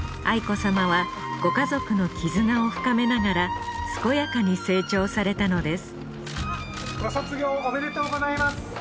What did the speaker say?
愛子さまはご家族の絆を深めながら健やかに成長されたのですご卒業おめでとうございます。